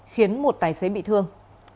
khiến một tài xế bị thương